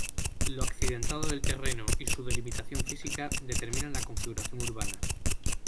Lo accidentado del terreno y su delimitación física, determinan la configuración urbana.